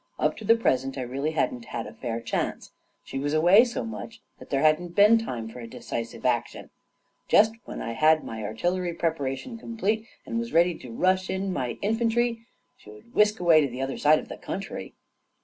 Up to the present, I really hadn't had a fair chance. She was away so much, that there hadn't been time for a decisive action. Just when I had my artillery A KING IN BABYLON 13 preparation complete, and was ready to rush in my infantry, she would whisk away to the other side of the country